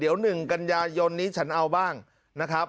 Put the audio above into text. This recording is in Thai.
เดี๋ยว๑กันยายนนี้ฉันเอาบ้างนะครับ